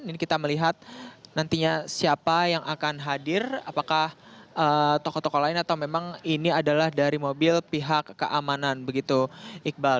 ini kita melihat nantinya siapa yang akan hadir apakah tokoh tokoh lain atau memang ini adalah dari mobil pihak keamanan begitu iqbal